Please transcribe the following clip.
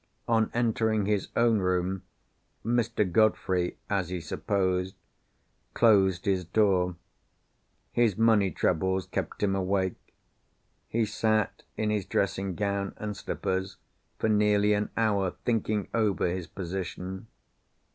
On entering his own room Mr. Godfrey (as he supposed) closed his door. His money troubles kept him awake. He sat, in his dressing gown and slippers, for nearly an hour, thinking over his position.